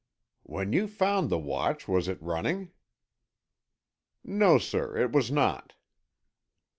"When you found the watch, was it running?" "No, sir, it was not."